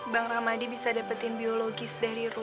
bang rahmadi bisa dapatin biologis dari rum